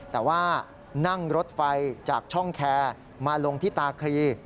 แต่ว่านั่งรถไฟจากช่องแคร์มาลงที่ตาครี